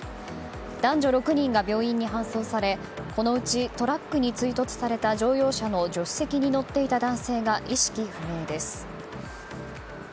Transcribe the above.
男女６人が病院に搬送されこのうちトラックに追突された乗用車の助手席に乗っていた男性が意識不明です。